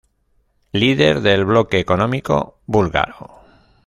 Líder del Bloque Económico Búlgaro.